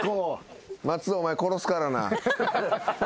松尾お前殺すからな。